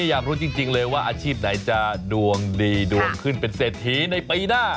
อยากรู้จริงเลยว่าอาชีพไหนจะดวงดีดวงขึ้นเป็นเศรษฐีในปีหน้า